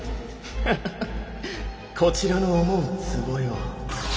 ハハハッこちらの思うつぼよ。